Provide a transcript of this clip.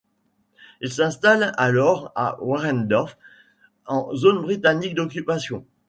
Il s'installe alors à Warendorf, en zone britannique d'occupation.